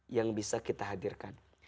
ada tiga yang bisa kita hadirkan